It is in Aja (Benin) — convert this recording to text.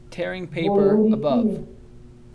Vo le ewodeki me.